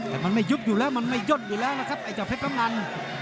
แต่มันไม่ยุบอยู่แล้วมันไม่ย่นอยู่แล้วนะครับไอ้เจ้าเพชรกำนัน